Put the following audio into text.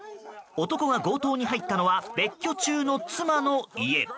男が強盗に入ったのは別居中の妻の家。